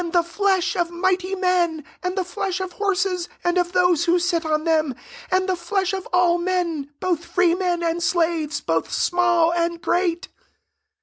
413 the flesh of mighty men, and the flesh of horses and of those who sit on them, and the flesh of all meiiy both free men and slaves, both small and great."